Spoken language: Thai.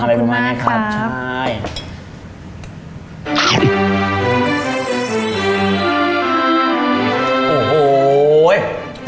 อะไรประมาณนี้ครับใช่ขอบคุณมากครับ